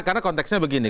karena konteksnya begini